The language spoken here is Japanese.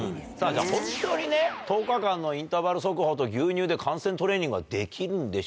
本当にね１０日間のインターバル速歩と牛乳で汗腺トレーニングはできるんでしょうか？